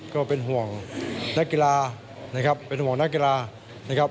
ก็เป็นห่วงนักกีฬานะครับเป็นห่วงนักกีฬานะครับ